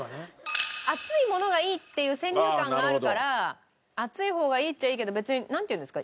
熱いものがいいっていう先入観があるから熱い方がいいっちゃいいけど別になんていうんですか？